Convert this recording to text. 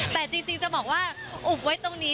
แต่จริงจะบอกว่าอุบไว้ตรงนี้